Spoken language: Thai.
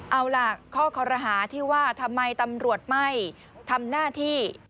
เอาล่ะข้อคอรหาที่ว่าทำไมตำรวจไม่ทำหน้าที่